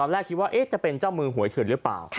แรกคิดว่าจะเป็นเจ้ามือหวยเถื่อนหรือเปล่า